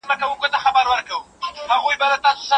که چا مطالعه کړې وي نو خبري يې سنجول سوې وي.